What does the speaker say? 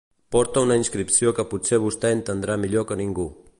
Porta una inscripció que potser vostè entendrà millor que ningú.